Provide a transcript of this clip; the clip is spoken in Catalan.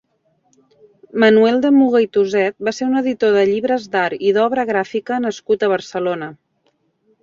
Manuel de Muga i Toset va ser un editor de llibres d'art i d'obra gràfica nascut a Barcelona.